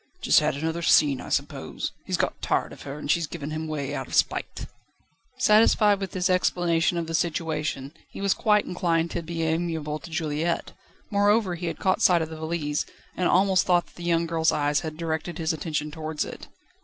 "Just had another scene, I suppose. He's got tired of her, and she's given him away out of spite." Satisfied with this explanation of the situation, he was quite inclined to be amiable to Juliette. Moreover, he had caught sight of the valise, and almost thought that the young girl's eyes had directed his attention towards it.